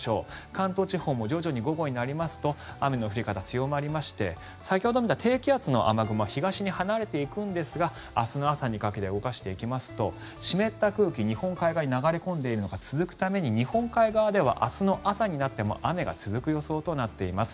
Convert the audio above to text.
関東地方も徐々に午後になりますと雨の降り方強まりまして先ほど見た低気圧の雨雲東に離れていくんですが明日の朝にかけて動かしていきますと湿った空気、日本海側に流れ込んでいるのが続くために日本海側では朝になっても雨が続く予想となっています。